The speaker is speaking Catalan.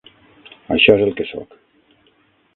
Això és el que soc.